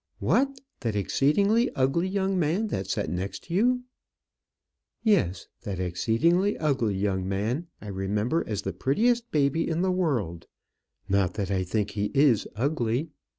"What, that exceedingly ugly young man that sat next to you?" "Yes. That exceedingly ugly young man I remember as the prettiest baby in the world not that I think he is ugly.